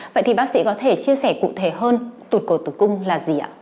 vậy thì bác sĩ có thể chia sẻ cụ thể hơn tụt cổ tử cung là gì ạ